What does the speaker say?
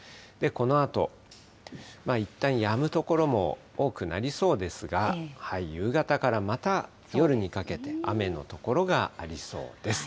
このあと、いったんやむ所も多くなりそうですが、夕方からまた夜にかけて、雨の所がありそうです。